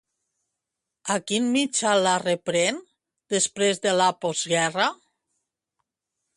A quin mitjà la reprèn, després de la postguerra?